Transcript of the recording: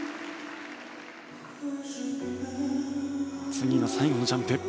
次は最後のジャンプ。